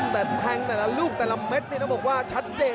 แต่แทงแต่ละลูกแต่ละเม็ดนี่ต้องบอกว่าชัดเจน